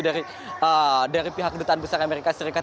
dari pihak kedutaan besar amerika serikat